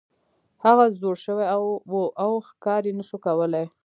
هغه زوړ شوی و او ښکار یې نشو کولی.